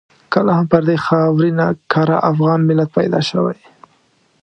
کله هم پر دې خاورینه کره افغان ملت پیدا شوی.